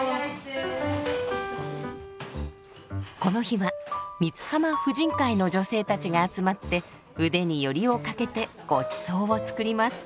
この日は三津浜婦人会の女性たちが集まって腕によりをかけてごちそうを作ります。